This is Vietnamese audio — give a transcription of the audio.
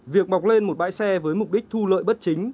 việc mọc lên một bãi xe với mục đích thu lợi bất chính